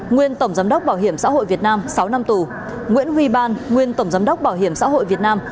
nguyên tổng giám đốc bảo hiểm xã hội việt nam sáu năm tù nguyễn huy ban nguyên tổng giám đốc bảo hiểm xã hội việt nam